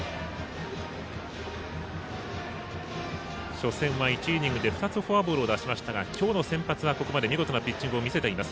初戦は１イニングで２つフォアボールを出しましたが今日の先発はここまで見事なピッチングを見せています。